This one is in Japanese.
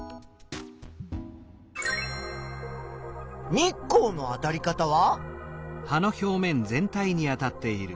日光のあたり方は？